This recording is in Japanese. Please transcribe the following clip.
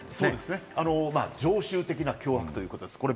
常習的な脅迫ということです。